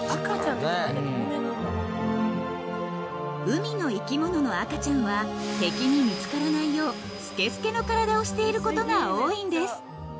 ［海の生き物の赤ちゃんは敵に見つからないようスケスケの体をしていることが多いんです］